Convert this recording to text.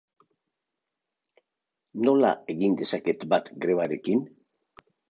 Nola egin dezaket bat grebarekin?